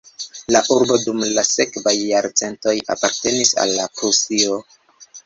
La urbo dum la sekvaj jarcentoj apartenis la Prusio.